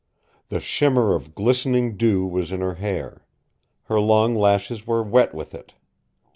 The shimmer of glistening dew was in her hair. Her long lashes were wet with it.